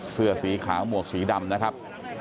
เสื้อสีขาวหมวกสีดำนะครับ